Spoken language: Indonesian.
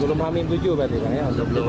sebelum hamin tujuh berarti bang ya